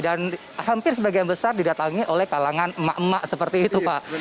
dan hampir sebagian besar didatangi oleh kalangan emak emak seperti itu pak